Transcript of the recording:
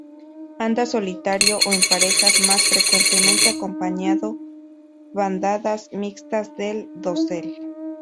Anda solitario o en parejas, más frecuentemente acompañando bandadas mixtas del dosel.